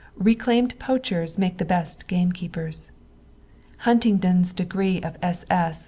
Reclaimed ponchers make the best gamekeepers, Huntingdon's degree of B.